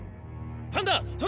パンダ棘！